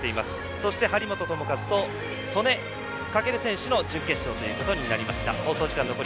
そして張本智和と曽根翔選手の準決勝ということになりました。